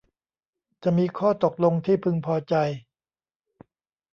จะมีข้อตกลงที่พึงพอใจ